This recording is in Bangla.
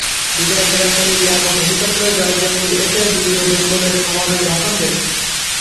বিদায়ের প্রাক্কালে ইয়াকুব হেলিকপ্টারে জয়দেবপুরে এসে দ্বিতীয় বেঙ্গলের সমাবেশে ভাষণ দেন।